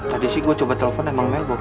tadi sih gue coba telepon emang melbox